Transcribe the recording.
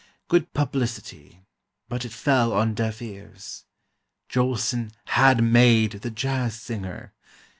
Good publicity, but it fell on deaf ears. Jolson HAD MADE the "Jazz Singer"!